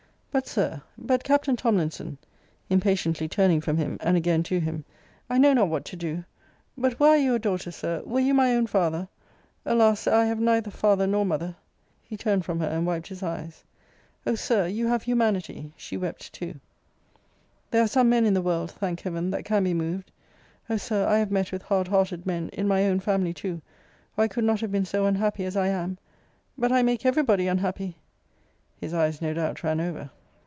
But, Sir; but, Captain Tomlinson [impatiently turning from him, and again to him] I know not what to do but were I your daughter, Sir were you my own father Alas! Sir, I have neither father nor mother! He turned from her and wiped his eyes. O Sir! you have humanity! [She wept too.] There are some men in the world, thank Heaven, that can be moved. O Sir, I have met with hard hearted men in my own family too or I could not have been so unhappy as I am but I make every body unhappy! His eyes no doubt ran over.